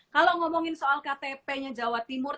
kalau ngomongin soal ktp nya jawa timur